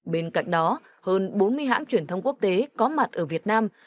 bên cạnh đó hơn bốn mươi hãng truyền thông quốc tế có mặt ở việt nam